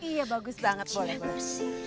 iya bagus banget boleh mas